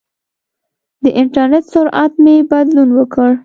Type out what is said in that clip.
د انټرنېټ سرعت مې بدلون وکړ.